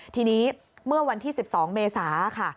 ทีนี้เมื่อวันที่๑๒เมษาค่ะ